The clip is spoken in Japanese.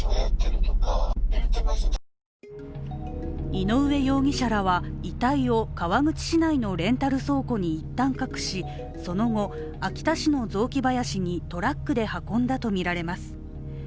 井上容疑者らは遺体を川口市内のレンタル倉庫に一旦隠し、その後、秋田市の雑木林にトラックで運んだとみられます。